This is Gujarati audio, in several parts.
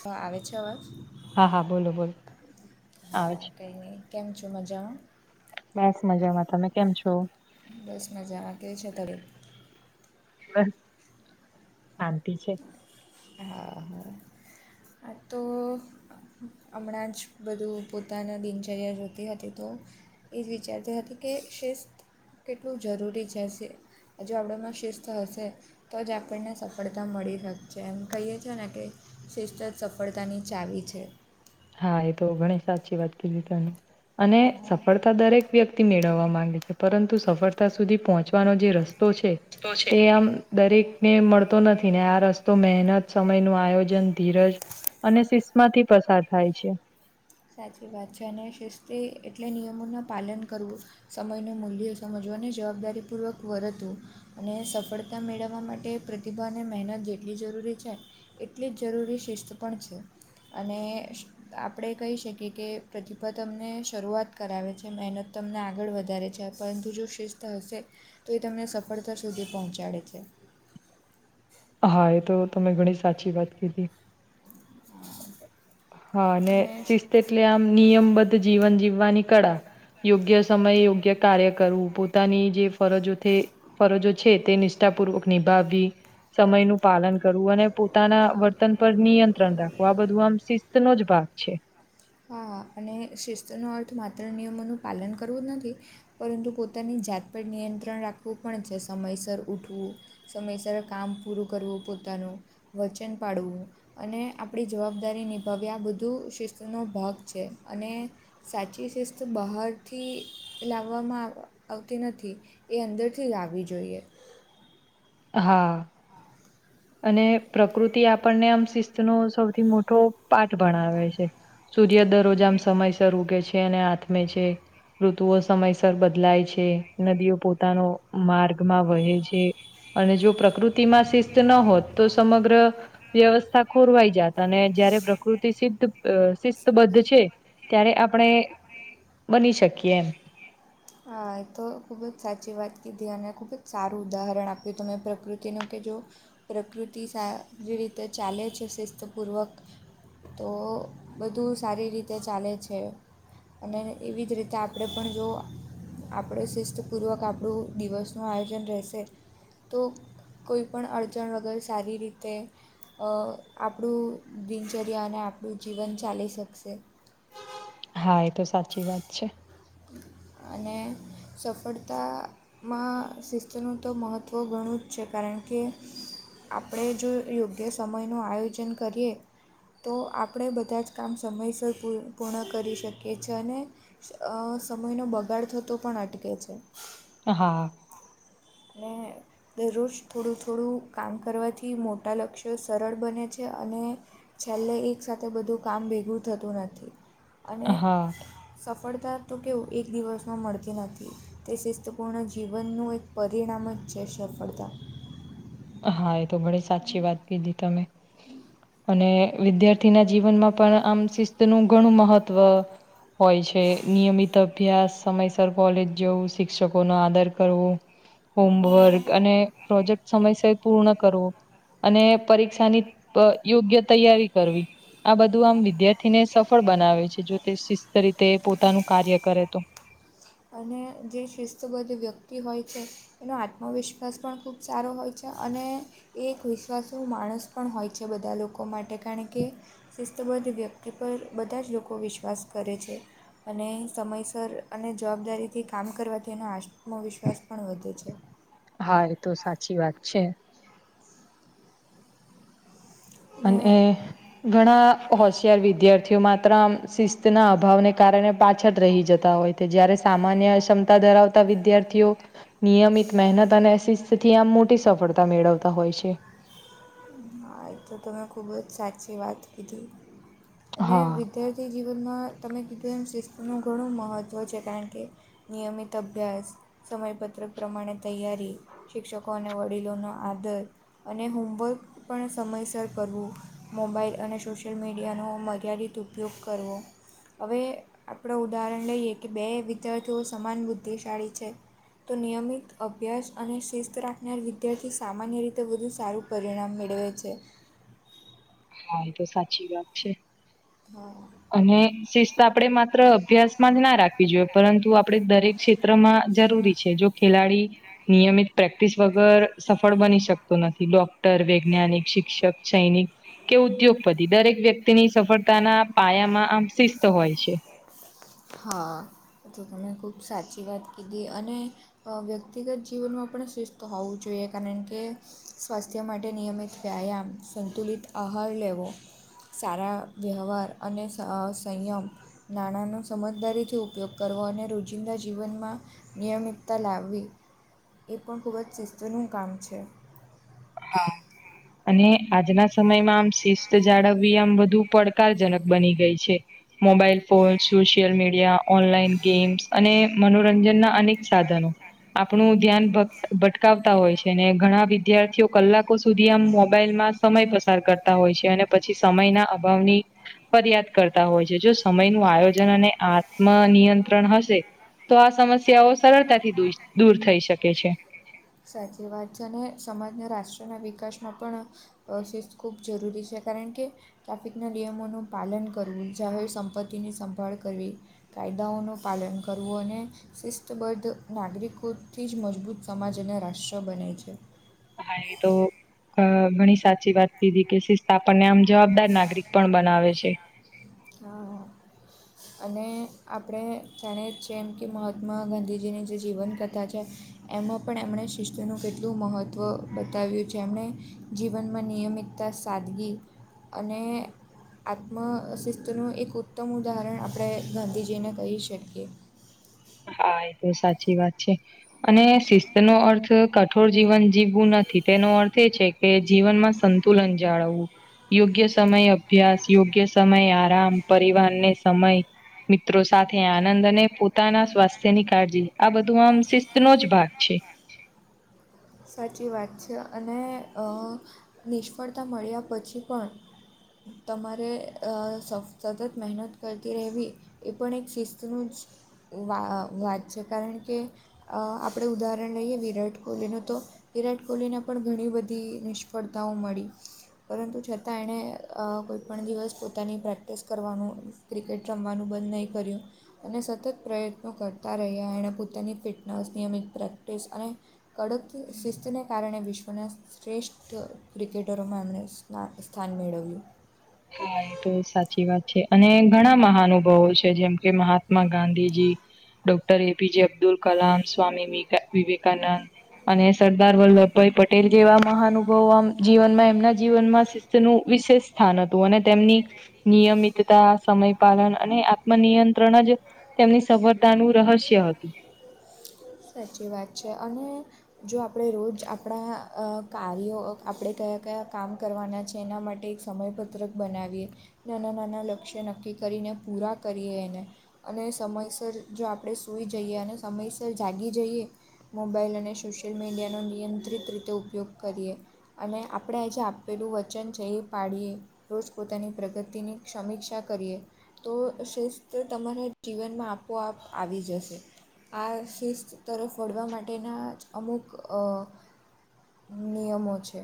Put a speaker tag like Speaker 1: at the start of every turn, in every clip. Speaker 1: હા આવે છે અવાજ
Speaker 2: હા હા બોલો બોલો આવે
Speaker 1: હા.
Speaker 2: છે.
Speaker 1: કેમ છું મજામાં.
Speaker 2: બસ મજામાં તમે કેમ છો?
Speaker 1: બસ મજા આ કેવુ છે તને
Speaker 2: બસ શાંતિ છે
Speaker 1: હા હા આ તો હમણાં જ બધું પોતાનું દિનચર્યા જોતી હતી તો એ જ વિચારતી હતી કે શિષ્ત કેટલું જરૂરી શે હ જો આપણામાં શિસ્ત હશે તો જ આપણને સફળતા મળી છેં એમ કહીએ છેએ ને કે શિસ્ત જ સફળતાની ચાવી છે
Speaker 2: હા એ તો ઘણી સાચી વાત કીધી તમે અને
Speaker 1: હા
Speaker 2: સફળતા દરેક વ્યક્તિ મેળવવા માંગે છે પરંતુ સફળતા સુધી પહોંચવાનો જે રસ્તો છે તે આમ દરેકને મળતો નથી ને આ રસ્તો મહેનત સમય નુ આયોજન ધીરજ અને શિસ્ત માથી પસાર થાય છે
Speaker 1: સાચી વાત છે અને શિસ્તી એટલે નિયમોના પાલન કરવું સમયનું મૂલ્ય સમજવા અને જવાબદારી પૂર્વક વર્તું અને સફળતા મેળવવા માટે પ્રતિભા અને મહેનત જેટલી જરૂરી છે એટલી જ જરૂરી શિસ્ત પણ છે અને આપણે કહી શકીએ કે પ્રતિભા તમને શરૂઆત કરાવે છે મહેનત તમને આગળ વધારે છે પરંતુ જો શિસ્ત હશે તો એ તમને સફળતા સુધી પહોંચાડે છે
Speaker 2: હા એ તો તમે ઘણી સાચી વાત કીધી હા અને શિસ્ત એટલે આમ નિયમબદ્ધ જીવન જીવવાની કળા યોગ્ય સમય યોગ્ય કાર્ય કરવું પોતાની જે ફરજો ફરજો છે તે નિષ્ઠા પૂર્વક નિભાવવી સમય નું પાલન કરવું અને પોતાના વર્તન પર નિયંત્રણ રાખવું આ બધું આમ શિસ્ત નો જ ભાગ છે
Speaker 1: હા અને શિસ્તનો અર્થ માત્ર નિયમોનું પાલન કરવું જ નથી પરંતુ પોતાની જાત પર નિયંત્રણ રાખવું પણ છે, સમયસર ઉઠવું સમયસર કામ પૂરું કરવું પોતાનું વચન પાડવું અને આપણી જવાબદારી નિભાવી આ બધું શિસ્તનો ભાગ છે અને સાચી શિસ્ત બહારથી લાવવામાં આવ આવતી નથી એ અંદરથી લાવવી જોઈએ
Speaker 2: હા અને પ્રકૃતિ આપણને આમ શિસ્તનો સૌથી મોટો પાઠ ભણાવ છે સૂર્ય દરરોજ આમ સમયસર ઉગે છે અને આથમે છે ઋતુઓ સમયસર બદલાય છે નદીઓ પોતાનો માર્ગ વહે છે અને જો પ્રકૃતિમાં શિસ્ત ન હોત તો સમગ્ર વ્યવસ્થા ખોરવાઈ જાતા અને જયારે પ્રકૃતિ સિદ્ધ તો બધ્ધ છે ત્યારે આપણે બની શકીએ એમ
Speaker 1: હા એ તો ખૂબ જ સાચી વાત કીધી અને ખૂબ જ સારું ઉદાહરણ આપ્યું ત મેં પ્રકૃતિનું કે જો પ્રકૃતિ સારી રીતે ચાલે છે શિસ્તપૂર્વક તો બધું સારી રીતે ચાલે છે. અને એવી જ રીતે આપણે પણ જો આપણે શિસ્તપૂર્વક આપણું દિવસનું આયોજન રહેશે તો કોઈ પણ અડચણ વગર સારી રીતે અ આપણું દિનચર્યા અને આપણું જીવન ચાલી શકશે.
Speaker 2: હા એ તો સાચી વાત છે.
Speaker 1: અને સફળતા માં શિસ્તનું તો મહત્ત્વ ઘણું જ છે કારણ કે આપણે જો યોગ્ય સમયનું આયોજન કરીએ. તો આપડે બધા જ કામ સમયસર પૂ પૂર્ણ કરી શકીએ છે અને અ સમયનો બગાડ થતો પણ અટકે છે.
Speaker 2: હા.
Speaker 1: ને દરરોજ થોડું થોડું કામ કરવાથી મોટા લક્ષ્યો સરળ બને છે અને છેલ્લે એક સાથે બધું કામ ભેગું થતું નથી, અને
Speaker 2: હા
Speaker 1: સફળતા તો કેવું એક દિવસમાં મળતી નથી, તે શિસ્તપૂર્ણ જીવનનું એક પરિણામ જ છે, સફળતા.
Speaker 2: હા એ તો બડી સાચી વાત કીધી તમે. અને વિદ્યાર્થીના જીવનમાં પણ આમ શિસ્ત નું ઘણું મહત્વ હોય છે, નિયમિત અભ્યાસ સમયસર કોલેજ જવું શિક્ષકોનો આદર કરવો.
Speaker 1: [inaudible]
Speaker 2: હોમવર્ક અને પ્રોજેક્ટ સમયસય પૂર્ણ કરવો. અને પરીક્ષાની પ યોગ્ય તૈયારી કરવી. આ બધું આમ વિદ્યાર્થીને સફળ બનાવે છે જો તે શિસ્ત રીતે પોતાનું કાર્ય કરે તો.
Speaker 1: અને જે શિસ્તબદ્ધ વ્યક્તિ હોય છે. તેનો આત્મવિશ્વાસ પણ ખૂબ સારો હોય છે, અને એ એક વિશ્વાસુ માણસ પણ હોય છે બધા લોકો માટે, કારણ કે શિસ્તબદ્ધ વ્યક્તિ પર બધા જ લોકો વિશ્વાસ કરે છે. અને સમયસર અને જવાબદારીથી કામ કરવાથી એનો આત્સમવિશ્વાસ પણ વધે છે.
Speaker 2: હા એ તો સાચી વાત છે.
Speaker 1: ને
Speaker 2: અનએ ઘણા હોશિયાર વિદ્યાર્થીઓ માત્ર આમ શિસ્તના અભાવને કારણે પાછળ રહી જતા હોય. તે જ્યારે સામાન્ય ક્ષમતા ધરાવતા વિદ્યાર્થીઓ નિયમિત મહેનત અને શિસ્ત થી આમ મોટી સફળતા મેળવતા હોય છે.
Speaker 1: હા એ તો તમે ખુબ જ સાચી વાત કીધી, અને
Speaker 2: હા
Speaker 1: વી ધાર્થી જીવનમાં તમે કીધું એમ શિસ્તનું ઘણું મહત્ત્વ છે, કારણ કે નિયમિત અભ્યાસ સમયપત્રક પ્રમાણે તૈયારી, શિક્ષકો અને વડીલોનો આદર. અને હોમવર્ક પણ સમયસર કરવું. મોબાઇલ અને સોશિયલ મીડિયાનો મર્યાદિત ઉપયોગ કરવો. હવે આપણે ઉદાહરણ લઈએ કે બે વિદ્યાર્થીઓ સમાન બુદ્ધિશાળી છે. તો નિયમિત અભ્યાસ અને શિસ્ત રાખનાર વિદ્યાર્થી સામાન્ય રીતે વધુ સારું પરિણામ મેડવે છે.
Speaker 2: હા એ તો સાચી વાત છે.
Speaker 1: હા.
Speaker 2: અને શિસ્ત આપડે માત્ર અભ્યાસ માં જ ના રાખવી જોઈએ, પરંતુ આપ પડે દરેક ક્ષેત્રમાં જરૂરી છે, જો ખેલાડી નિયમિત પ્રેક્ટિસ વગર સફળ બની શકતો નથી, લો તર, વૈજ્ઞાનિક, શિક્ષક, સૈનિક કે ઉદ્યોગપતિ દરેક વ્યક્તિની સફળતાના પાયામાં આમ શિસ્ત હોય છે.
Speaker 1: હા, એ તો તમે ખૂબ સાચી વાત કીધી, અને વ્યક્તિગત જીવનમાં પણ શિસ્ત હોવું જોઈએ કારણ કે સ્વાસ્થ્ય માટે નિયમિત વ્યાયામ સંતુલિત આહાર લેવો. સારા વ્યવહાર અને સંયમ નાણાનો સમજદારીથી ઉપયોગ કરવો, અને રોજિંદા જીવનમાં નિયમિતતા લાવવી એ પણ ખૂબ જ શિસ્તનું કામ છે
Speaker 2: હા અને આજના સમયમાં આમ શિસ્ત જાળવવી આમ વધુ પડકારજનક બની ગઈ છે. Mobile phone, social media, online games અને મનોરંજનના અનેક સાધનો આપણું ધ્યાન ભટકાવતા હોય છે ને ઘણા વિદ્યાર્થીઓ. કલાકો સુધી આમ મોબાઈલમાં સમય પસાર કરતા હોય છે અને પછી સમયના અભાવની ફરિયાદ કરતા હોય છે જો સમયનું આયોજન અને આત્મ નિયંત્રણ હશે. તો આ સમસ્યાઓ સરળતાથી દ દૂર થઈ શકે છે.
Speaker 1: સાચી વાત છે અને સમાજના રાષ્ટ્રના વિકાસમાં પણ પ્રોસેસ ખૂબ જરૂરી છે કારણ કે ટ્રાફિકના નિયમોનું પાલન કરવું જાહેર સંપત્તિની સંભાળ કરવી. કાયદાઓનું પાલન કરવું અને શિસ્તબદ્ધ નાગરિકોથી જ મજબૂત સમાજ અને રાષ્ટ્ર બનાય છે.
Speaker 2: હ તો અ ઘણી સાચી વાત કીધી કે શિસ્તા આપણને આમ જવાબદાર નાગરિક પણ બનાવે છે.
Speaker 1: તો અને આપણે જાણે જે એમ કે મહાત્મા ગાંધીજીની જે જીવનકથા છે. એમાં પણ એમણે શિસ્તુનું કેટલું મહત્ત્વ બતાવ્યું છે એમણે જીવનમાં નિયમિત સાદગી અને આત્મશ તેનું એક ઉત્તમ ઉદાહરણ આપણે ગાંધીજીને કહી શકીએ
Speaker 2: હા એ તો સાચી વાત છે. અને શિસ્ત નો અર્થ કઠોર જીવન જીવવું નથી તેનો અર્થ એ છે. કે જીવનમાં સંતુલન જાળવવું યોગ્ય સમય અભ્યાસ યોગ્ય સમય આરામ પરિવારને સમય. મિત્રો સાથે આનંદ અને પોતાના સ્થ સેન કાળજી આ બધું આમ શિસ્ત નો જ ભાગ છે.
Speaker 1: સાચી વાત છે અને નિષ્ફળતા મળ્યા પછી પણ તમારે સતત મહેનત કરતી રહેવી. એ પણ એક શિસ્તનું જ વા વાત છે કારણ કે આપણે ઉદાહરણ લઈએ વિરાટ કોહલીનું. તો વિરાટ કોહલીને પણ ઘણી બધી નિષ્ફળતાઓ મળી. પરંતુ છતાં એણે કોઈપણ દિવસ પોતાની પ્રેક્ટિસ કરવાનું. ક્રિકેટ રમવાનું બંધ નહીં કર્યું. અને સતત પ્રયત્નો કરતા રહ્યા એણે પોતાની ફિટનેસ નિયમિત પ્રેક્ટિસ અને કડક શિસ્તને કારણે વિશ્વના શ્રેષ્ઠ ક્રિકેટરોમાં એમણે સ્ સ્થાન મેળવ્યું.
Speaker 2: હા એ તો સાચી વાત છે અને ઘણા મહાનુભાવો છે જેમ કે મહાત્મા ગાંધીજીી. Doctor APJ Abdul Kalam Swami Vivekananda. અને સરદાર વલ્લભભાઈ પટેલ જેવા મહાનુભાવો જીવનમાં એમના જીવનમાં. તેનું વિશેષ સ્થાન હતું અને તેમની નિયમિતતા સમય પાલન અને આત્મનિયંત્રણ જ તેમની સગવડતાનું રહસ્ય હતું.
Speaker 1: સાચી વાત છે અને જો આપણે રોજ આપણા કાર્યો આપણે કયા કયા કામ કરવાના છે એના માટે સમયપત્રક બનાવીએ નાના નાના લક્ષ્ય નક્કી કરીને પૂરા કરીએ એને અને સમયસર જો આપણે સુઈ જઈએ અને સમયસર જાગી. જઈએ, મોબાઈલ અને સોશિયલ મીડિયાનો નિયંત્રિત રીતે ઉપયોગ કરીએ. અને આપણે આ જેે આપેલું વચન છે એ પાડીએ. રોજ પોતાની પ્રગતિની સમીક્ષા કરીએ. તો શિસ્ત તમારા જીવનમાં આપોઆપ આવી જશે. આ શિસ્ત તરફ વળવા માટેના જ અમુક નિયમો છે.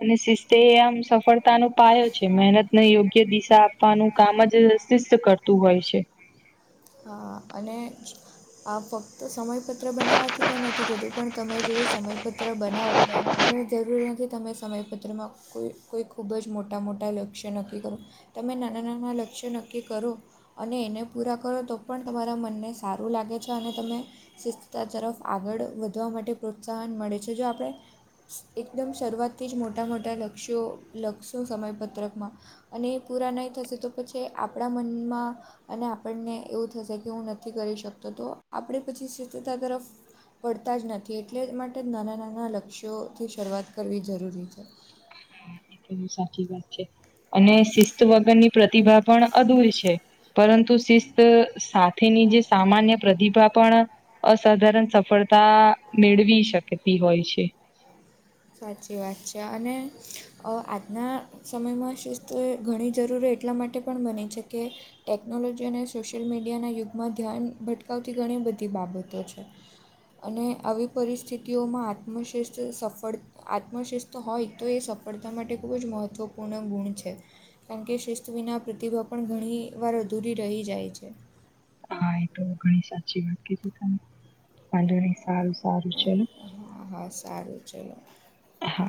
Speaker 2: અને શિસ્તે આમ સફળતા ન પાયો છે મહેનતને યોગ્ય દિશા આપવાનું કામ જ કરતું હોય છે.
Speaker 1: હા અને આ ફક્ત સમયપત્ર બનાવવાથી કંઈ નથી થતું પણ તમે જો એ સમયપત્ર બનાવો. અને જરૂરી નથી તમે સમયપત્રમાં કોઈ કોઈ ખૂબ જ મોટા મોટા લક્ષ્ય નક્કી કરો. તમે નાના નાના લક્ષ્ય નક્કી કરો અને એને પૂરા કરો તો પણ તમારા મનને સારું લાગે છે અને તમે શિસ્થતા તરફ આગળ વધવા માટે પ્રોત્સાહન મળે છે જો આપણે એકદમ શરૂઆતથી જ મોટા મોટા લક્ષ્યો લખશો સમયપત્રકમાં અને એ પૂરા નહીં થશે તો પછી આપણા મનમાં, અને આપણને એવું થશે કે હું નથી કરી શકતો તો, આપે પછી શિસ્તતા તરફ પડતા જ નથી એટલે માટે નાનાં નાનાં લક્ષ્યોથી શરૂઆત કરવી જરૂરી છે.
Speaker 2: તો સાચી વાત છે અને શિસ્ત વગરની પ્રતિભા પણ અધૂરી છે. પરંતુ શિસ્ત સાથેની જે સામાન્ય પ્રતિભા પણ અસાધારણ સફળતા મેળવી શકતી હોય છે.
Speaker 1: સાચી વાત છે, અને આજના સમયમાં શિસ્ત ઘણી જરૂરી હોય એટલા માટે પણ મને છે કે ટેકનોલોજી અને સોશિયલ મીડિયાના યુગમાં ધ્યાન ભટકાવતી ઘણી બધી બાબતો છે. અને આવી પરિસ્થિતિઓમાં આત્મશ્રેષ્ઠ સફળ આત્મશિસ્ત હોય તો એ સફળતા માટે ખૂબ જ મહત્ત્વપૂર્ણ ગુણ છે. કારણ કે શિસ્ત વિના પ્રતિભા પણ ઘણી વાર અધૂરી રહી જાય છે.
Speaker 2: હા તો ઘણી સાચી વાત સારું સારું ચલો.
Speaker 1: હ હા સારું ચલો.
Speaker 2: હા.